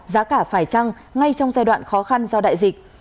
giá cả phải trăng ngay trong giai đoạn khó khăn do đại dịch